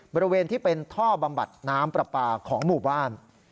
บริเวณที่เป็นท่อบำบัดน้ำปลาปลาของหมู่บ้าน